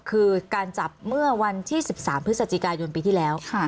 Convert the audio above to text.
คือการจับเมื่อวันที่๑๓พฤศจิกายนปีที่แล้ว